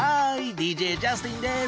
ＤＪジャスティンです。